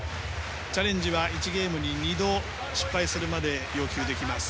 チャレンジは１ゲームに２度、失敗するまで要求できます。